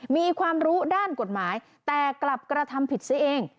มีความรู้ด้านกฎหมายแต่กลับกระทำผิดซะเอง